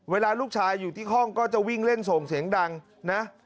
เวลาลูกชายอยู่ที่ห้องก็จะวิ่งเล่นส่งเสียงดังนะ